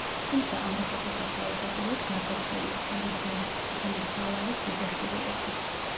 თუმცა, ამბოხებულთა საუბედუროდ, გარდაცვლილი ფარიბურზ იბნ სალარის ბიძაშვილი იყო.